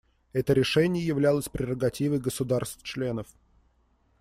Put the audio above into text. Это решение являлось прерогативой государств-членов.